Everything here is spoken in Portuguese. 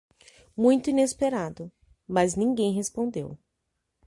Muito inesperado, mas ninguém respondeu